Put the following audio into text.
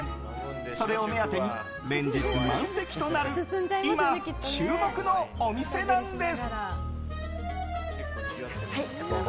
それを目当てに連日満席となる今、注目のお店なんです。